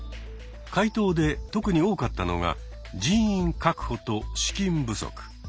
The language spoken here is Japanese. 回答で特に多かったのが「人員確保」と「資金不足」。